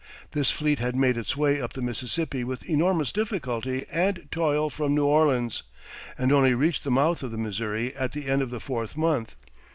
This fleet had made its way up the Mississippi with enormous difficulty and toil from New Orleans, and only reached the mouth of the Missouri at the end of the fourth month.